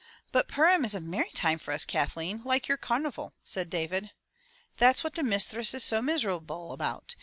"But Purim is a merry time for us, Kathleen, like your car nival," said David. "That's what the misthress is so miserable about.